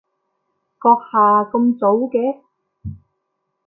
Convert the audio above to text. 閣下咁早嘅？